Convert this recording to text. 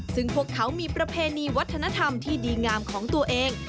ซึ่งพวกเขามีประเพณีวัฒนธรรมที่ดีงามของตัวเอง